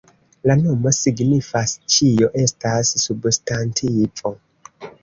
La nomo signifas "Ĉio estas substantivo".